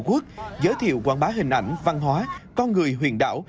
về chủ quyền biển đảo tổ quốc giới thiệu quảng bá hình ảnh văn hóa con người huyền đảo